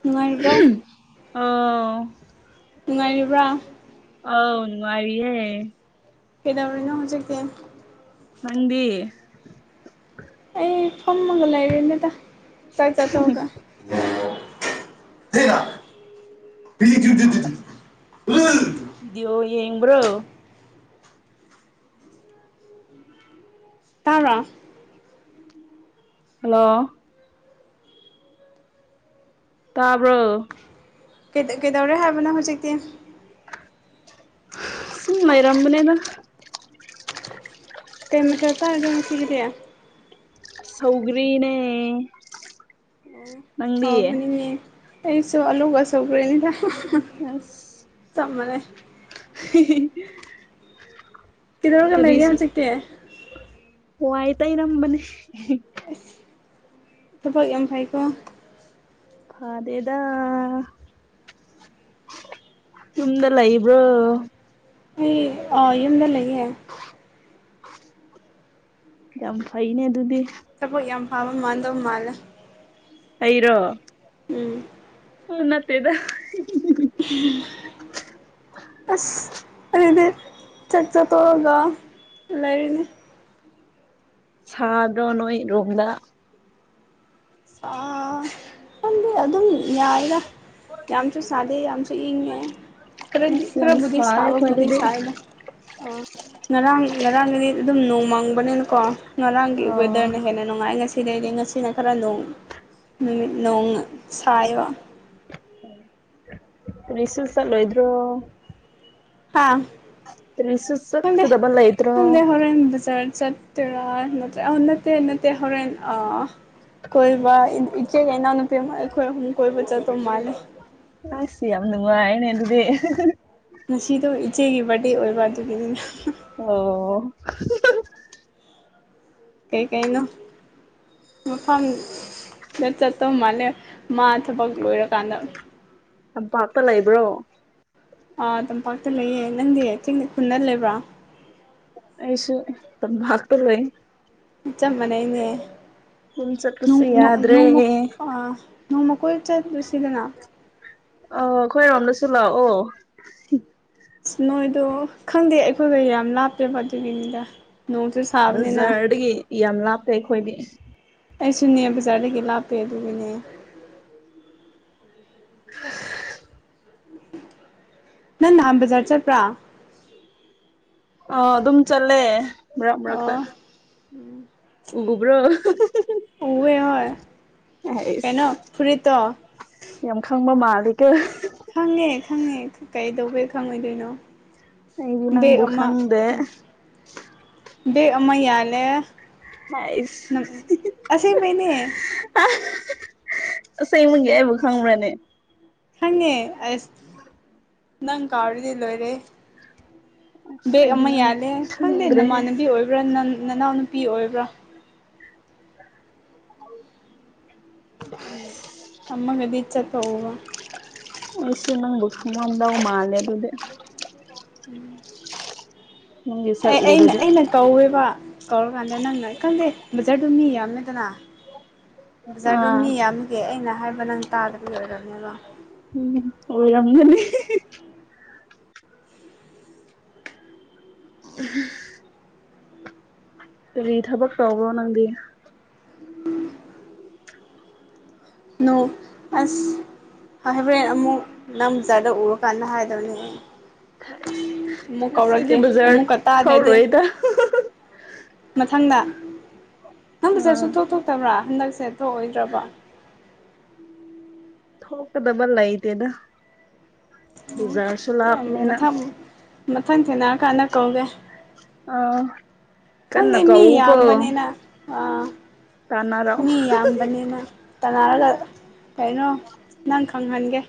ꯅꯨꯡꯉꯥꯏꯔꯤꯕ꯭ꯔꯣ ꯑꯣ ꯅꯨꯡꯉꯥꯏꯔꯤꯕ꯭ꯔꯥ ꯑꯧꯅꯥꯏꯌꯦꯦ ꯀꯩꯗꯧꯔꯤꯅꯣ ꯍꯧꯖꯤꯛꯇꯤ ꯃꯗꯤ ꯑꯩ ꯐꯝꯃꯒ ꯂꯩꯔꯦꯅꯦꯗ ꯆꯥꯛ ꯆꯠꯊꯣꯛꯑꯒ ꯕꯤꯗꯤꯑꯣ ꯌꯦꯡꯕ꯭ꯔꯣ ꯇꯥꯔꯣ ꯍꯜꯂꯣ ꯇꯥꯕ꯭ꯔꯣ ꯀꯩꯗꯧꯔꯦ ꯍꯥꯏꯕꯣ ꯍꯧꯖꯤꯛꯇꯤ ꯁꯃꯔꯝꯝꯕꯅꯦꯗ ꯀꯩ ꯃꯊꯦꯜ ꯆꯔꯒꯦ ꯉꯥꯁꯤꯒꯤꯗꯤ ꯁꯧꯒ꯭ꯔꯤꯅꯦ ꯑꯣ ꯅꯪꯗꯤ ꯍꯥꯎꯕꯅꯦ ꯑꯩꯁꯨ ꯑꯂꯨꯒ ꯑꯁꯧꯒ꯭ꯔꯅꯤꯗ ꯑꯁ ꯆꯝꯃꯅꯦ [inaudible] ꯀꯗꯧꯔꯒꯝ ꯂꯩꯒꯦ ꯀꯔꯤꯁꯨ ꯍꯧꯖꯤꯛꯇꯦ ꯋꯥꯏ ꯇꯩꯔꯝꯕꯅꯦ ꯑꯁ ꯊꯕꯛ ꯌꯥꯝ ꯐꯩꯀꯣ ꯑꯦꯗ ꯌꯝꯗꯂ ꯏꯕ꯭ꯔꯣ ꯑꯩ ꯌꯨꯝꯗ ꯂꯩꯌꯦꯦ ꯌꯥꯝ ꯐꯩꯅꯦ ꯑꯗꯨꯗꯤ ꯆꯄꯣ ꯌꯥꯝ ꯐꯥꯕ ꯃꯥꯟꯗꯧ ꯃꯥꯜꯂ ꯑꯩꯔꯣ ꯎꯝ ꯎ ꯅꯠꯇꯦꯗ ꯎꯝ ꯑꯁ ꯑꯗꯨꯗꯤ ꯆꯠ ꯆꯠꯇꯣꯛꯑꯒ ꯂꯩꯔꯤꯅꯤ ꯁꯥꯗ꯭ꯔꯣ ꯅꯣꯏ ꯔꯣꯝꯗ ꯑ ꯈꯗꯤ ꯑꯗꯨꯝ ꯌꯥꯏꯔ ꯌꯥꯝꯁꯨ ꯁꯥꯗꯦ ꯌꯥꯝꯁꯨ ꯏꯪꯉꯦ ꯈꯔꯗꯤ ꯑꯁ ꯌꯥꯝ ꯈꯔꯕꯨꯙꯗꯤ ꯁꯥꯏ ꯁꯥꯕ ꯕꯨꯙꯤ ꯑꯩꯈꯣꯏꯗꯗꯤ ꯁꯥꯏꯗ ꯑꯣ ꯉꯔꯥꯡ ꯉꯔꯥꯡꯒꯤꯅꯤ ꯑꯗꯨꯝ ꯅꯣꯡꯃꯥꯡꯕꯅꯤꯅꯀꯣ ꯉꯔꯥꯡꯒꯤ ꯑꯣ ꯋꯦꯗꯔꯅ ꯍꯦꯟꯅ ꯅꯨꯡꯉꯥꯏ ꯉꯁꯤꯗꯩꯗꯤ ꯉꯁꯤꯅ ꯈꯔ ꯅꯣꯡ ꯅꯨꯃꯤꯠ ꯅꯣꯡ ꯁꯥꯏꯕ ꯀꯔꯤꯁꯨ ꯆꯠꯂꯣꯏꯗ꯭ꯔꯣ ꯍꯥꯥ ꯀꯔꯤꯁꯨ ꯈꯪꯗꯦ ꯆꯠꯀꯗꯕ ꯂꯩꯇ꯭ꯔꯣ ꯈꯪꯗꯦ ꯍꯣꯔꯦꯟ ꯕꯖꯥꯔ ꯆꯠ ꯇꯣꯏꯔꯥ ꯅꯠꯇ꯭ꯔ ꯑꯣ ꯅꯠꯇꯦ ꯅꯠꯇꯦ ꯍꯣꯔꯦꯟ ꯑ ꯀꯣꯏꯕ ꯏꯟ ꯏꯆꯦꯒ ꯏꯅꯥꯎ ꯅꯨꯄꯤ ꯑꯃ ꯑꯩꯈꯣꯏ ꯑꯍꯨꯝ ꯀꯣꯏꯕ ꯆꯠꯇꯧ ꯃꯥꯜꯂꯦ ꯑꯁ ꯌꯥꯝ ꯅꯨꯡꯉꯥꯏꯅꯦ ꯑꯗꯨꯗꯤ ꯉꯁꯤꯗꯣ ꯏꯆꯦꯒꯤ ꯕꯥꯔ꯭ꯠꯗꯦ ꯑꯣꯏꯕ ꯑꯗꯨꯒꯤꯅꯤꯅꯦ ꯑꯣ ꯀꯩ ꯀꯩꯅꯣ ꯃꯐꯝꯗ ꯆꯠꯇꯧ ꯃꯥꯜꯂꯦ ꯃꯥ ꯊꯕꯛ ꯂꯣꯏꯔꯀꯥꯟꯗ ꯇꯝꯄꯥꯛꯇ ꯂꯩꯕ꯭ꯔꯣ ꯑꯥ ꯇꯝꯄꯥꯛꯇ ꯂꯩꯌꯦ ꯅꯪꯗꯤ ꯆꯤꯡꯗ ꯈꯨꯟꯗ ꯂꯩꯕ꯭ꯔꯥ ꯑꯩꯁꯨ ꯇꯝꯕꯥꯛꯇ ꯂꯩ ꯆꯞ ꯃꯥꯟꯅꯩꯅꯦ ꯌꯨꯝ ꯅꯣꯡ ꯆꯠꯄꯁꯨ ꯅꯣꯛ ꯌꯥꯗ꯭ꯔꯦ ꯅꯣꯡꯃꯨꯛ ꯑ ꯅꯣꯡꯃ ꯀꯣꯏ ꯆꯠꯂꯨꯁꯤꯗꯅ ꯑꯧ ꯑꯩꯈꯣꯏꯔꯣꯝꯗꯁꯨ ꯂꯥꯛꯑꯣ ꯑꯁ ꯅꯣꯏꯗꯣ ꯈꯪꯗꯦ ꯑꯩꯈꯣꯏꯒ ꯌꯥꯝ ꯂꯥꯞꯄꯦꯕ ꯑꯗꯨꯒꯤꯅꯤꯗꯥ ꯕꯖꯥꯔꯗꯒꯤ ꯌꯥꯝ ꯂꯥꯞꯇꯦ ꯑꯩꯈꯣꯏꯗꯤ ꯑꯩꯁꯨꯅꯦ ꯕꯖꯥꯔꯗꯒꯤ ꯂꯥꯞꯄꯦ ꯑꯗꯨꯒꯤꯅꯦ ꯅꯪ ꯅꯍꯥꯟ ꯕꯖꯥꯔ ꯆꯠꯄ꯭ꯔꯥ ꯑ ꯑꯗꯨꯝ ꯆꯠꯂꯦ ꯃꯔꯛ ꯃꯔꯛꯇ ꯑꯣ ꯎꯕ꯭ꯔꯣ ꯍꯣꯏ ꯍꯣꯏ ꯑꯩꯁ ꯀꯩꯅꯣ ꯐꯨꯔꯤꯠꯇꯣ ꯌꯥꯝ ꯈꯪꯕ ꯃꯥꯜꯂꯤꯀꯣ ꯈꯪꯉꯦ ꯈꯪꯉꯦ ꯀꯩꯗꯧꯕꯩ ꯈꯪꯉꯣꯏꯗꯣꯏꯅꯣ ꯑꯩꯗꯤ ꯕꯦꯛ ꯅꯪꯕꯨ ꯑꯃ ꯈꯪꯗꯦ ꯕꯦꯛ ꯑꯃ ꯌꯥꯜꯂꯦ ꯑꯩꯁ ꯅꯪ ꯑꯁꯦꯡꯕꯩꯅꯦ ꯑꯁꯦꯡꯕꯒꯤ ꯑꯩꯕꯨ ꯈꯪꯕ꯭ꯔꯥꯅꯦ ꯈꯪꯉꯦ ꯑꯁ ꯅꯪ ꯀꯥꯎꯔꯗꯤ ꯂꯣꯏꯔꯦꯍꯦ ꯑꯁ ꯕꯦꯛ ꯑꯩꯗꯤ ꯑꯃ ꯅꯪ ꯌꯥꯜꯂꯦ ꯈꯪꯗꯦ ꯈꯪꯗ꯭ꯔꯦꯍꯦ ꯅꯃꯥꯟꯅꯕꯤ ꯑꯣꯏꯕ꯭ꯔꯥ ꯅ ꯅꯅꯥꯎꯅꯨꯄꯤ ꯑꯣꯏꯕ꯭ꯔꯥ ꯎꯝ ꯑꯃꯒꯗꯤ ꯆꯠꯄ ꯎꯕ ꯑꯩꯁꯨ ꯅꯪꯕꯨ ꯈꯪꯉꯝꯗꯧ ꯃꯥꯜꯂꯦ ꯑꯗꯨꯗꯤ ꯎꯝ ꯅꯪꯒꯤ ꯁꯛ ꯑꯩ ꯑꯩꯅ ꯎꯔꯗꯤ ꯑꯩꯅ ꯀꯧꯋꯦꯕ ꯀꯧꯔꯀꯥꯟꯗ ꯅꯪꯅ ꯈꯪꯗꯦ ꯕꯖꯥꯔꯗꯣ ꯃꯤ ꯌꯥꯝꯃꯦꯗꯅ ꯕꯖꯥꯔꯗꯣ ꯑꯥ ꯃꯤ ꯌꯥꯝꯕꯒꯤ ꯑꯩꯅ ꯍꯥꯏꯕ ꯅꯪ ꯇꯥꯗꯕꯒꯤ ꯑꯣꯏꯔꯝꯅꯦꯕ ꯎꯝ ꯑꯣꯏꯔꯝꯒꯅꯤ ꯀꯗꯤ ꯊꯕꯛ ꯇꯧꯕ꯭ꯔꯣ ꯅꯪꯗꯤ [inaudible] ꯅꯣꯛ ꯑꯁ ꯑꯍꯥꯏꯕ꯭ꯔꯦꯟ ꯑꯃꯨꯛ ꯅꯪ ꯕꯖꯥꯔꯗ ꯎꯔ ꯀꯥꯟꯗ ꯍꯥꯏꯗꯕꯅꯦ ꯑꯃꯨꯛ ꯉꯁꯤꯗꯤ ꯀꯧꯔꯛꯀꯦ ꯕꯖꯥꯔ ꯑꯃꯨꯛꯀ ꯇꯥꯗ꯭ꯔꯗꯤ ꯊꯧꯔꯣꯏꯗ ꯃꯊꯪꯗ ꯅꯪ ꯕꯥꯖꯔ ꯑꯥ ꯁꯨꯊꯣꯛ ꯊꯣꯛꯇꯕ꯭ꯔꯥ ꯍꯟꯗꯛꯁꯦ ꯊꯣꯛꯑꯣꯏꯗ꯭ꯔꯕ ꯊꯣꯛꯀꯗꯕ ꯂꯩꯇꯦꯗ ꯕꯨꯖꯥꯔꯁꯨ ꯂꯥꯞꯄꯅꯤꯅ ꯃꯊꯪ ꯃꯊꯪ ꯊꯦꯡꯅꯔ ꯀꯥꯟꯅ ꯀꯧꯒꯦ ꯑꯥ ꯀꯟꯅ ꯈꯪꯗꯦ ꯃꯤ ꯀꯧ ꯀꯣ ꯌꯥꯝꯕꯅꯤꯅ ꯑꯥ ꯃꯤ ꯌꯥꯝꯕꯅꯤꯅ ꯇꯥꯟꯅꯔꯒ ꯀꯩꯅꯣ ꯅꯪ ꯈꯪꯍꯟꯒꯦ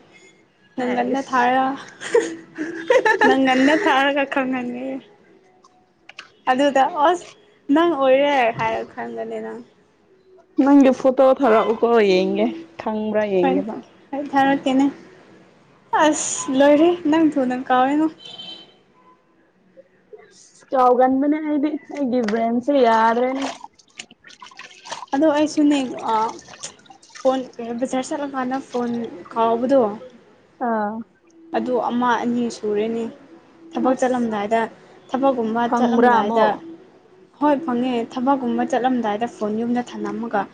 ꯅꯪꯒꯟꯗ ꯍꯥꯏꯁ ꯊꯥꯔꯒ ꯅꯪꯒꯟꯗ ꯊꯥꯔꯒ ꯈꯪꯍꯟꯒꯦ ꯑꯗꯨꯗ ꯑꯁ ꯅꯪ ꯑꯣꯏꯔꯦ ꯍꯥꯏꯔ ꯈꯟꯒꯅꯤ ꯅꯪ ꯅꯪꯒꯤ ꯐꯣꯇꯣ ꯊꯔꯛꯎꯀꯣ ꯌꯦꯡꯒꯦ ꯈꯪꯕ꯭ꯔꯥ ꯍꯣꯏ ꯌꯦꯡꯒꯦꯕ ꯍꯣꯏ ꯊꯥꯔꯛꯀꯦꯅꯦ ꯑꯁ ꯂꯣꯏꯔꯦ ꯅꯪ ꯊꯨꯅ ꯀꯥꯎꯔꯦꯉꯣ ꯀꯥꯎꯒꯟꯕꯅꯦ ꯑꯩꯗꯤ ꯑꯩꯒꯤ ꯕ꯭ꯔꯦꯟꯁꯦ ꯌꯥꯗ꯭ꯔꯦꯅꯦ ꯑꯗꯣ ꯑꯩꯁꯨꯅꯦ ꯑ ꯐꯣꯟ ꯕꯖꯔ ꯆꯠꯂ ꯀꯥꯟꯅ ꯐꯣꯟ ꯀꯥꯎꯕꯗꯣ ꯑꯥ ꯑꯗꯨ ꯑꯃ ꯑꯅꯤ ꯁꯨꯔꯦꯅꯤ ꯊꯕꯛ ꯑꯁ ꯆꯠꯂꯝꯗꯥꯏꯗ ꯊꯕꯛꯀꯨꯝꯕ ꯐꯪꯕ꯭ꯔꯥ ꯆꯠꯂꯝꯗꯥꯏꯗ ꯑꯃꯨꯛ ꯍꯣꯏ ꯐꯪꯉꯦ ꯊꯕꯛꯀꯨꯝꯕ ꯆꯠꯂꯝꯗꯥꯏꯗ ꯐꯣꯟ ꯌꯨꯝꯗ ꯊꯅꯝꯃꯥꯒ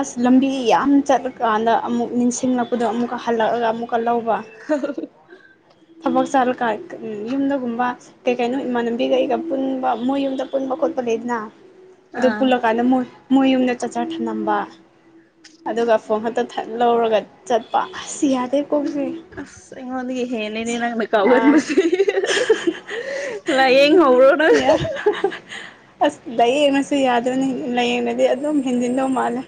ꯑꯁ ꯂꯝꯕꯤ ꯌꯥꯝ ꯆꯠꯂꯀꯥꯟꯗ ꯑꯃꯨꯛ ꯅꯤꯡꯁꯤꯡꯂꯛꯄꯗꯣ ꯑꯃꯨꯛꯀ ꯍꯜꯂꯛꯑꯒ ꯑꯃꯨꯛꯀ ꯂꯧꯕ [unintelligible] ꯊꯕꯛ ꯆꯠꯂꯀꯥꯟ ꯌꯨꯝꯗꯒꯨꯝꯕ ꯀꯩ ꯀꯩꯅꯣ ꯏꯃꯥꯟꯅꯕꯤꯒ ꯑꯩꯒ ꯄꯨꯟꯕ ꯃꯣꯏ ꯌꯨꯝꯗ ꯄꯨꯟꯕ ꯈꯣꯠꯄ ꯂꯩꯗꯅ ꯑꯗꯨ ꯑꯥ ꯄꯨꯜꯂꯀꯥꯟꯗ ꯃꯣꯏ ꯃꯣꯉꯏ ꯌꯨꯝꯗ ꯆꯥꯆꯔ ꯊꯅꯝꯕ ꯑꯗꯨꯒ ꯐꯣꯟ ꯈꯛꯇ ꯊꯠ ꯂꯧꯔꯒ ꯆꯠꯄ ꯑꯁ ꯌꯥꯗꯦ ꯀꯣꯛꯁꯦ ꯑꯁ ꯑꯩꯉꯣꯟꯗꯥꯒꯤ ꯍꯦꯟꯂꯦꯅꯦ ꯅꯪꯅ ꯑꯥ ꯀꯥꯎꯒꯟꯕꯁꯦ ꯂꯥꯏꯌꯦꯡ ꯍꯧꯔꯣ ꯅꯪ ꯌꯥ ꯑꯁ ꯂꯥꯏꯌꯦꯡꯉꯁꯨ ꯌꯥꯗꯦꯅꯦ ꯂꯥꯏꯌꯦꯡꯗꯗꯤ ꯑꯗꯨꯝ ꯍꯦꯟꯖꯤꯟꯗꯧ ꯃꯥꯜꯂꯦ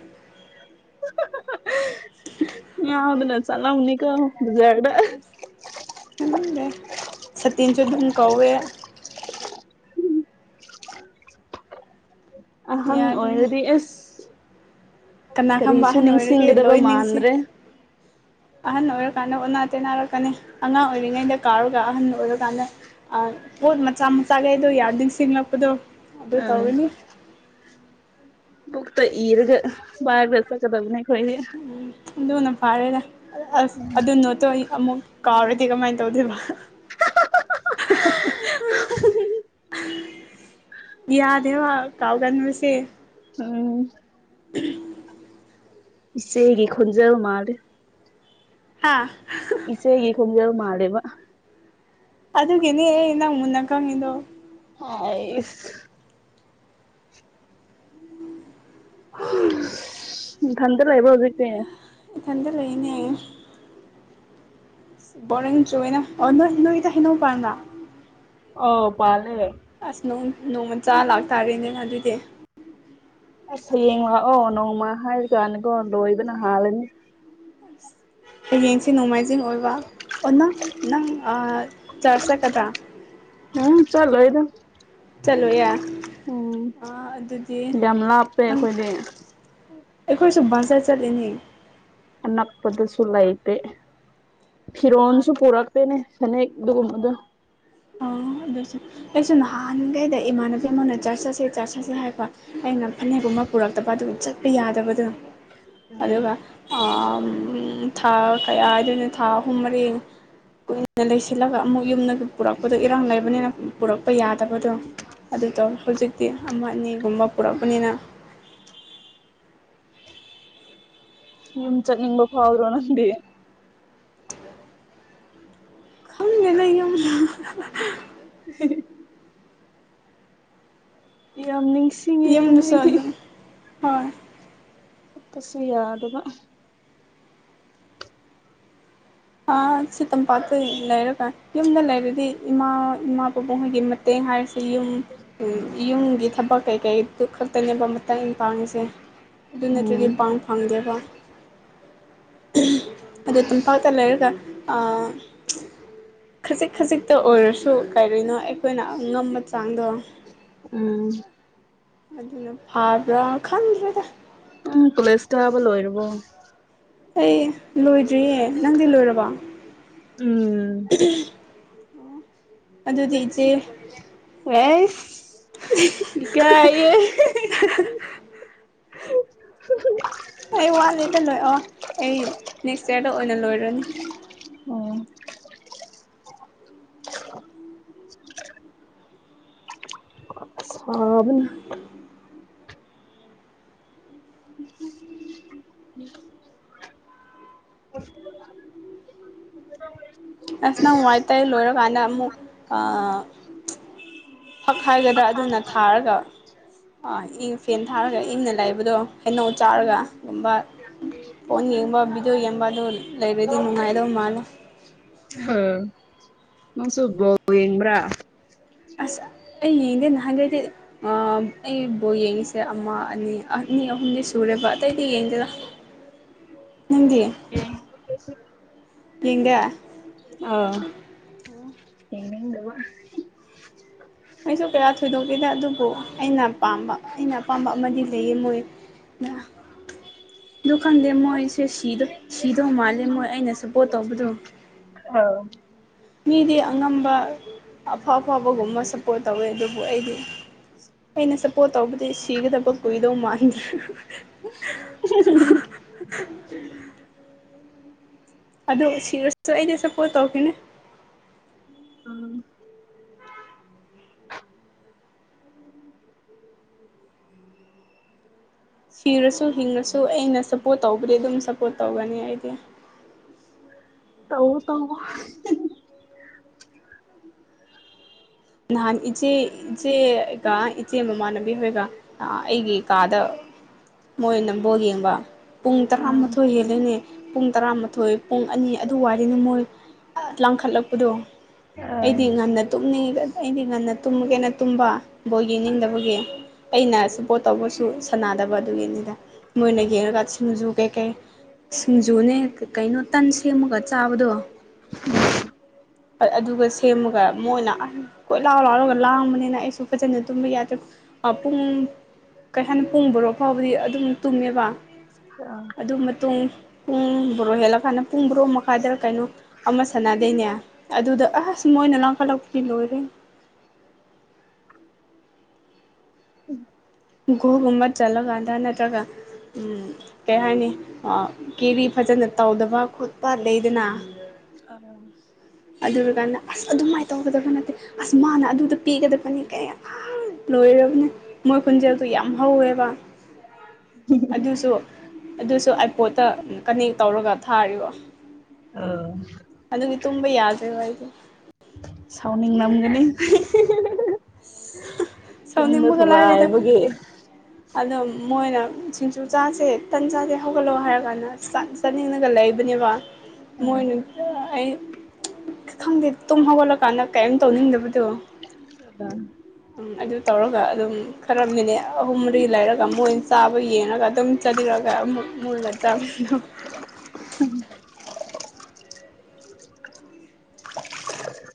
ꯉꯥꯎꯗꯅ ꯆꯠꯂꯝꯅꯤꯀꯣ ꯕꯖꯥꯔꯗ ꯇꯥꯅꯤꯗꯦ ꯁꯇꯤꯟꯁꯨ ꯑꯗꯨꯝ ꯀꯧꯋꯦ ꯑꯍꯟ ꯌꯥꯗꯣꯏꯅꯤ ꯑꯣꯏꯔꯗꯤ ꯑꯁ ꯀꯅꯥ ꯈꯪꯕ ꯀꯔꯤꯁꯨ ꯑꯍꯟ ꯑꯣꯏꯔꯒꯦ ꯅꯤꯡꯁꯤꯡꯒꯗꯕ ꯂꯣꯏ ꯅꯤꯡꯁꯤ ꯃꯥꯟꯗ꯭ꯔꯦ ꯑꯍꯟ ꯑꯣꯏꯔꯀꯥꯟꯗ ꯑꯣꯅꯥ ꯇꯦꯟꯅꯔꯛꯀꯅꯤ ꯑꯉꯥꯡ ꯑꯣꯏꯔꯤꯉꯩꯗ ꯀꯥꯎꯔꯒ ꯑꯍꯟ ꯑꯣꯏꯔꯀꯥꯟꯗ ꯑ ꯄꯣꯠ ꯃꯆꯥ ꯃꯆꯥꯒꯩꯗꯣ ꯌꯥꯝ ꯅꯤꯡꯁꯤꯂꯛꯄꯗꯣ ꯑꯗꯨ ꯑꯥ ꯇꯧꯔꯅꯤ ꯄꯨꯛꯇꯥ ꯏꯔꯒ [unintelligible] ꯆꯠꯀꯗꯕꯅꯦ ꯑꯩꯈꯣꯏꯗꯤ ꯎꯝ ꯑꯗꯨꯅ ꯐꯥꯔꯦꯗ ꯑꯁ ꯑꯗꯨꯅꯣꯠꯇꯣ ꯑꯩ ꯑꯃꯨꯛ ꯀꯥꯎꯔꯗꯤ ꯀꯃꯥꯏ ꯇꯧꯗꯣꯏꯕ ꯌꯥꯗꯦꯕ ꯀꯥꯎꯒꯕꯁꯤ [unintelligible] ꯏꯆꯦꯒꯤ ꯈꯨꯟꯖꯦꯜ ꯃꯥꯜꯂꯤ ꯍꯥꯥ [unintelligible] ꯏꯆꯦꯒꯤ ꯈꯣꯟꯖꯦꯜ ꯃꯥꯜꯂꯦꯕ ꯑꯗꯨꯒꯤꯅꯦ ꯑꯩ ꯅꯪ ꯃꯨꯟꯅꯥ ꯈꯪꯏꯗꯣ ꯍꯥꯏꯁ [unintelligible] ꯅꯊꯟꯇ ꯂꯩꯕ꯭ꯔꯣ ꯍꯧꯖꯤꯛꯇꯤ ꯏꯊꯟꯗ ꯂꯩꯅꯦ ꯕꯣꯔꯤꯡꯁꯨꯋꯦꯅ ꯑꯣ ꯅꯣꯏ ꯅꯣꯏꯗ ꯍꯩꯅꯧ ꯄꯥꯟꯕ꯭ꯔꯥ ꯑꯣ ꯄꯥꯜꯂꯦ ꯑꯁ ꯅꯣꯡ ꯅꯣꯡꯃꯥ ꯆꯥ ꯂꯥꯛꯇꯥꯔꯦꯅꯦ ꯑꯗꯨꯗꯤ ꯑꯁ ꯍꯌꯦꯡ ꯂꯥꯛꯑꯣ ꯅꯣꯡꯃ ꯍꯥꯏꯔꯤꯀꯥꯟꯗꯀꯣ ꯂꯣꯏꯕꯅ ꯍꯥꯜꯂꯅꯤ ꯍꯌꯦꯡꯁꯤ ꯅꯣꯡꯃꯥꯏꯖꯤꯡ ꯑꯣꯏꯕ ꯑꯣ ꯅꯪ ꯅꯪ ꯑꯥ ꯆꯔꯁ ꯆꯠꯀꯗ꯭ꯔꯥ ꯎꯝ ꯆꯠꯂꯣꯏꯗ ꯆꯠꯂꯣꯏꯌꯦ ꯎꯝ ꯑꯗꯨꯗꯤ ꯌꯥꯝ ꯂꯥꯞꯄꯦ ꯈꯪ ꯑꯩꯈꯣꯏꯗꯤ ꯑꯩꯈꯣꯏꯁꯨ ꯕꯖꯥꯔ ꯆꯠꯂꯤꯅꯤ ꯑꯅꯛꯄꯗꯁꯨ ꯂꯩꯇꯦ ꯐꯤꯔꯣꯟꯜꯁꯨ ꯄꯨꯔꯛꯇꯦꯅꯦ ꯐꯅꯦꯛ ꯑꯗꯨꯒꯨꯝꯕꯗꯣ ꯑꯣ ꯑꯗꯨꯁꯨ ꯑꯩꯁꯨ ꯅꯍꯥꯟꯒꯩꯗ ꯏꯃꯥꯟꯅꯕꯤ ꯑꯃꯅ ꯆꯔꯁ ꯆꯠꯁꯦ ꯆꯔꯁ ꯆꯠꯁꯦ ꯍꯥꯏꯕ ꯑꯩꯅ ꯐꯅꯦꯛꯒꯨꯝꯕ ꯄꯨꯔꯛꯇꯕ ꯑꯗꯨ ꯆꯠꯄ ꯌꯥꯗꯕꯗꯨ ꯑꯗꯨꯒ ꯑꯥ ꯊꯥ ꯀꯌꯥ ꯍꯥꯏꯗꯣꯏꯅꯣ ꯊꯥ ꯑꯍꯨꯝ ꯃꯔꯤ ꯀꯨꯏꯅ ꯂꯩꯁꯤꯜꯂꯒ ꯑꯃꯨꯛ ꯌꯨꯝꯗ ꯄꯨꯔꯛꯄꯗꯣ ꯏꯔꯥꯡ ꯂꯩꯕꯅꯤꯅ ꯄꯨꯔꯛꯄ ꯌꯥꯗꯕꯗꯣ ꯑꯗꯨ ꯇꯧꯋꯦ ꯍꯧꯖꯤꯛꯇꯤ ꯑꯃ ꯑꯅꯤꯒꯨꯝꯕ ꯄꯨꯔꯛꯄꯅꯤꯅ ꯌꯨꯝ ꯆꯠꯅꯤꯡꯕ ꯐꯥꯎꯗ꯭ꯔꯣ ꯅꯪꯗꯤ ꯍꯒ ꯂꯩ ꯌꯨꯝ ꯎ ꯌꯥꯝ ꯌꯥꯝ ꯅꯤꯡꯁꯤ ꯌꯦꯝ ꯁꯥ ꯑꯗꯨ ꯍꯣꯏ ꯀꯁꯨ ꯌꯥ ꯑꯗꯨꯒꯕ ꯁꯤ ꯇꯝꯄꯥꯛꯇ ꯂꯩꯔꯒ ꯌꯨꯝꯗ ꯂꯩꯔꯗꯤ ꯏꯃꯥ ꯏꯃꯥ ꯄꯕꯕꯨꯡꯈꯣꯏꯒꯤ ꯃꯇꯦꯡ ꯍꯥꯏꯔꯁ ꯌꯨꯝ ꯌꯨꯝꯒꯤ ꯊꯕꯛ ꯀꯩꯀꯩꯗꯨ ꯈꯛꯇꯅꯦꯕ ꯃꯇꯦꯡ ꯏ ꯄꯥꯡꯉꯤꯁꯦ ꯑꯗꯨ ꯅꯠꯇ꯭ꯔꯗꯤ ꯎꯝ ꯄꯥꯡ ꯐꯪꯗꯦꯕ ꯑꯗꯣ ꯇꯝꯄꯥꯛ ꯇꯂꯔꯒ ꯈꯖꯤꯛ ꯈꯖꯤꯛꯇ ꯑꯣꯏꯔꯁꯨ ꯀꯔꯤꯅꯣ ꯑꯩꯈꯣꯏꯅ ꯉꯝꯕ ꯆꯥꯡꯗꯣ ꯎꯝ ꯑꯗꯨꯅ ꯐꯕ꯭ꯔꯥ ꯈꯟꯗ꯭ꯔꯗ ꯎꯝ ꯀꯂꯦꯖ ꯊꯕ ꯂꯣꯏꯔꯔꯕ ꯑꯩ ꯂꯣꯏꯗ꯭ꯔꯤꯌꯦ ꯅꯪꯗꯤ ꯂꯣꯏꯔꯕꯣ ꯎꯝ ꯑꯗꯨꯗꯤ ꯏꯆꯦ ꯑꯦꯁ ꯏꯀꯥꯏꯌꯦ [inaudible] ꯎ ꯑꯩ ꯋꯥꯠꯂꯦꯗ ꯂꯣꯏ ꯑꯣ ꯑꯩ ꯅꯦꯛꯁ ꯏꯔꯗ ꯑꯣꯏꯅ ꯂꯣꯏꯔꯅꯤ ꯑꯣ ꯁꯥꯕꯅ ꯎꯝ ꯑꯁ ꯅ ꯉꯥꯏꯇꯩ ꯂꯣꯏꯔꯀꯥꯟꯗ ꯑꯃꯨꯛ ꯑ ꯐꯛ ꯍꯥꯏꯒꯗ꯭ꯔꯥ ꯑꯗꯨꯅ ꯊꯥꯔꯒ ꯑ ꯏꯪ ꯐꯦꯟ ꯊꯥꯔꯒ ꯏꯪꯅ ꯂꯥꯛꯏꯕꯗꯣ ꯍꯦꯩꯅꯧ ꯆꯥꯔꯒ ꯒꯨꯝꯕ ꯐꯣꯟ ꯌꯦꯡꯕ ꯕꯤꯤꯗꯤꯑꯣ ꯌꯦꯡꯕ ꯑꯗꯨ ꯂꯩꯔꯗꯤ ꯅꯨꯡꯉꯥꯏꯗꯧ ꯃꯥꯜꯂꯦ ꯍ ꯅꯪꯁꯨꯣꯕ ꯌꯦꯡꯕ꯭ꯔꯥ ꯑꯁ ꯑꯩ ꯌꯦꯡꯗꯦ ꯅꯍꯥꯟꯒꯩꯗꯤ ꯑꯩꯕꯨꯕ ꯌꯦꯡꯉꯤꯁꯦ ꯑꯃ ꯑꯅꯤ ꯑꯅꯤ ꯑꯍꯨꯝꯗꯤ ꯁꯨꯔꯦꯕ ꯑꯇꯩꯗꯤ ꯌꯦꯡꯗꯦꯗ ꯅꯤꯡꯗꯤ ꯌꯦꯒ ꯑ ꯌꯦꯉꯕ ꯑꯩꯁꯨ ꯀꯌꯥ ꯊꯣꯏꯗꯣꯛꯀꯦꯗ ꯑꯗꯨꯕꯨ ꯑꯩꯅ ꯄꯥꯝꯕ ꯑꯩꯅ ꯑꯄꯥꯝꯕ ꯑꯃꯗꯤ ꯂꯩꯌꯦ ꯃꯣꯏ [unintelligible] ꯑ ꯈꯪꯗꯦ ꯃꯣꯏꯁꯦꯗ ꯁꯤꯗꯧ ꯃꯥꯜꯂꯦ ꯃꯣꯏ ꯑꯩꯅ ꯁꯞꯄꯣꯔꯠ ꯇꯧꯕꯗꯣ ꯑꯥꯎ ꯃꯤꯗꯤ ꯑꯉꯝꯕ ꯑꯐꯥꯎ ꯑꯐꯥꯎꯕꯒꯨꯝꯕ ꯁꯄꯣꯔꯠ ꯇꯧꯋꯦ ꯑꯗꯨꯕꯨ ꯑꯩꯗꯤ ꯑꯩꯅ ꯁꯞꯄꯣꯔꯠ ꯇꯧꯕꯗꯤ ꯁꯤꯒꯗꯕ ꯀꯨꯏꯗꯧ ꯃꯥꯟꯗ꯭ꯔꯦ [inaudible] ꯑꯗꯨꯗ ꯁꯤꯔꯁꯁꯨ ꯑꯩꯗꯤ ꯁꯞꯄꯣꯔꯠ ꯇꯧꯈꯤꯦꯅꯦ ꯎꯝ ꯁꯤꯔꯁꯨ ꯍꯤꯡꯉꯁꯨ ꯑꯩꯅ ꯁꯞꯄꯣꯔꯠ ꯇꯧꯕꯗꯤ ꯑꯗꯨꯝ ꯁꯞꯄꯣꯔꯠ ꯇꯧꯒꯅꯤ ꯑꯩꯗꯤ ꯇꯧꯑꯣ ꯇꯧꯑꯣ ꯅꯍꯥꯟ ꯏꯆꯦ ꯏꯆꯦꯒ ꯏꯆꯦ ꯃꯃꯥꯟꯅꯕꯤ ꯍꯣꯏꯒ ꯑꯩꯒꯤ ꯀꯥꯗ ꯃꯣꯏ ꯅꯝꯕꯣ ꯌꯦꯡꯕ ꯄꯨꯡ ꯇꯔꯥꯃꯥꯊꯣꯏ ꯍꯦꯜꯂꯅꯦ ꯄꯨꯡ ꯇꯔꯥꯃꯥꯊꯣꯏ ꯄꯨꯡ ꯑꯅꯤ ꯑꯗꯨ ꯋꯥꯅꯦ ꯃꯣꯏ ꯂꯥꯡꯈꯠꯂꯛꯄꯗꯣ ꯑ ꯑꯩꯗꯤ ꯉꯟꯅ ꯇꯨꯝꯅꯤꯡꯉꯤ ꯑꯩꯗꯤ ꯉꯟꯅ ꯇꯨꯝꯒꯦꯅ ꯇꯨꯝꯕ ꯕꯣ ꯌꯦꯡꯅꯤꯡꯗꯕꯒꯤ ꯑꯩꯅ ꯁꯞꯄꯣꯔꯠ ꯇꯧꯕꯁꯨ ꯁꯥꯟꯅꯗꯕ ꯑꯗꯨꯒꯤꯅꯤꯗ ꯃꯣꯏꯅ ꯌꯦꯡꯉꯒ ꯁꯤꯡꯖꯨ ꯀꯩ ꯀꯩ ꯁꯤꯡꯖꯨꯅꯦ ꯀꯩꯅꯣ ꯇꯟ ꯁꯦꯝꯃꯒ ꯆꯥꯕꯗꯣ ꯑꯗꯨꯒ ꯁꯦꯝꯃꯒ ꯃꯣꯏꯅ ꯑ ꯀꯣꯏ ꯂꯥꯎ ꯂꯥꯎꯔꯒ ꯂꯥꯡꯕꯅꯤꯅ ꯑꯩꯁꯨ ꯐꯖꯅ ꯇꯨꯝꯕ ꯌꯥꯗ꯭ꯔꯦ ꯄꯨꯡ ꯀꯩ ꯍꯥꯏꯅꯤ ꯄꯨꯡ ꯕꯔꯣ ꯐꯥꯎꯕꯗꯤ ꯑꯗꯨꯝ ꯇꯨꯝꯃꯦꯕ [unintelligible] ꯑꯗꯨ ꯃꯇꯨꯡ ꯄꯨꯡ ꯕꯣꯔꯣ ꯍꯦꯜꯂꯀꯥꯟꯗ ꯄꯨꯡ ꯕꯣꯔꯣ ꯃꯈꯥꯗ ꯀꯩꯅꯣ ꯑꯃ ꯁꯥꯟꯅꯗꯩꯅꯦ ꯑꯗꯨꯗ ꯑꯁ ꯃꯣꯏꯅ ꯂꯥꯡꯈꯠꯂꯛꯄꯗꯤ ꯂꯣꯏꯔꯦ꯫ ꯎꯝ ꯒꯨꯒꯨꯝꯕ ꯆꯠꯂꯀꯥꯟꯗ ꯅꯠꯇ꯭ꯔꯒ ꯀꯩ ꯍꯥꯏꯅꯤ ꯀꯦꯔꯤ ꯐꯖꯅ ꯇꯧꯗꯕ ꯈꯣꯠꯄ ꯂꯩꯗꯅ ꯇ꯭ꯕꯔꯥ ꯑꯗꯨꯔꯒꯥꯟꯗ ꯑꯁ ꯑꯗꯨꯃꯥꯏꯅ ꯇꯧꯒꯗꯕ ꯅꯠꯇꯦ ꯑꯁ ꯃꯥꯅ ꯑꯗꯨꯗ ꯄꯤꯒꯗꯕꯅꯤ ꯀꯩ ꯂꯣꯏꯔꯕꯅꯦ ꯃꯣꯏ ꯈꯣꯟꯖꯦꯜꯗꯨ ꯌꯥꯝ ꯍꯧꯋꯦꯕ [inaudible] ꯑꯗꯨꯁꯨ ꯑꯗꯨꯁꯨ ꯑꯥꯏꯄꯣꯠꯇ ꯀꯅꯦꯛ ꯇꯧꯔꯒ ꯊꯥꯔꯤꯕ ꯎꯝ ꯑꯗꯨꯒꯤ ꯇꯨꯝꯕ ꯌꯥꯗ꯭ꯔꯦꯕ ꯑꯩꯗꯣ ꯁꯥꯎꯅꯤꯡ ꯅꯝꯒꯅꯤ꯫ ꯇꯨꯝꯕ ꯁꯥꯎꯅꯤꯡꯕꯒ ꯂꯥꯏꯔꯗ ꯊꯨꯒꯥꯏꯕꯒꯤ꯫ ꯑꯗꯣ ꯃꯣꯏꯅ ꯁꯤꯡꯖꯨ ꯆꯥꯁꯦ ꯇꯟ ꯆꯥꯁꯦ ꯍꯧꯒꯠꯂꯛꯑꯣ ꯍꯥꯏꯔ ꯀꯥꯟꯗ ꯆꯥꯅꯤꯡꯉꯒ ꯂꯩꯕꯅꯦꯕ ꯃꯣꯏꯅ ꯑꯩ ꯈꯪꯗꯦ ꯇꯨꯝ ꯍꯧꯒꯠꯂꯀꯥꯟꯗ ꯀꯔꯤꯝ ꯇꯧꯅꯤꯡꯗꯕꯗꯣ [unintelligible] ꯑꯗꯨ ꯇꯧꯔꯒ ꯑꯗꯨꯝ ꯈꯔ ꯃꯤꯅꯤꯠ ꯑꯍꯨꯝ ꯃꯔꯤ ꯂꯩꯔꯒ ꯃꯣꯏꯅ ꯆꯥꯕ ꯌꯦꯡꯉꯒ ꯑꯗꯨꯝ ꯆꯥꯅꯤꯡꯔꯒ ꯑꯃꯨꯛ ꯃꯣꯏꯅ ꯆꯥꯃꯤ꯫